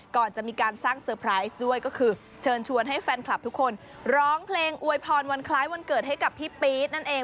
ก่อนจะมีการสร้างเซอร์ไพรส์ด้วยก็คือเชิญชวนให้แฟนคลับทุกคนร้องเพลงอวยพรวันคล้ายวันเกิดให้กับพี่ปี๊ดนั่นเอง